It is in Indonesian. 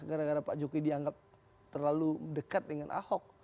gara gara pak jokowi dianggap terlalu dekat dengan ahok